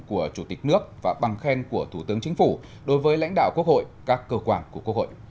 của chủ tịch nước và bằng khen của thủ tướng chính phủ đối với lãnh đạo quốc hội các cơ quan của quốc hội